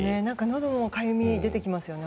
のどもかゆみ出てきますよね。